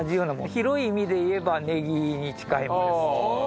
広い意味でいえばネギに近いものです。